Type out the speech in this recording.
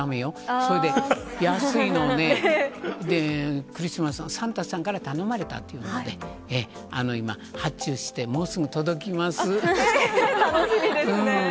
それで安いのをね、クリスマスのサンタさんから頼まれたというので、今、発注して、楽しみですね。